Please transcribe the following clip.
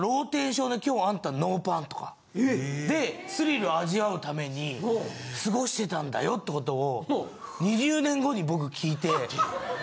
でスリル味わうために過ごしてたんだよってことを。